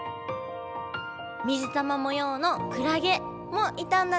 水玉もようのクラゲもいたんだね。